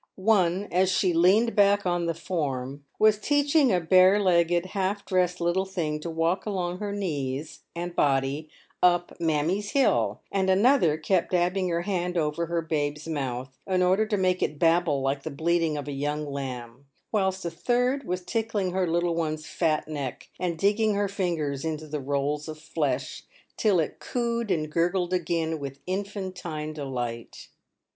One, as she leaned back on the form, was 1 PAYED WITH GOLD. 87 teaching a bare legged, half dressed little thing to walk along her knees and body up " Mammy's hill ;V and another kept dabbing her hand over her babe's mouth, in order to make it babble like the bleating of a young lamb ; whilst a third was tickling her little one's fat neck, and digging her fingers into the rolls of flesh, till it cooed and gurgled again with infantine delight.